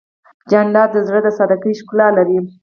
جانداد د زړه د سادګۍ ښکلا لري.